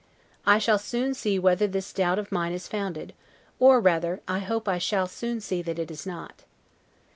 I shall soon see whether this doubt of mine is founded; or rather I hope I shall soon see that it is not.